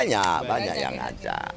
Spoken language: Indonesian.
oh banyak banyak yang ajak